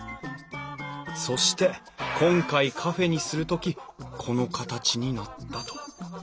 そして今回カフェにする時この形になったと。